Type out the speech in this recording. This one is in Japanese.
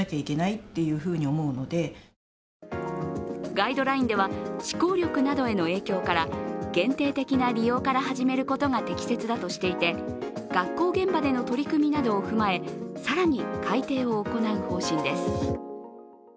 ガイドラインでは思考力などへの影響から限定的な利用から始めることが適切だとしていて、学校現場での取り組みなどを踏まえ、更に改訂を行う方針です。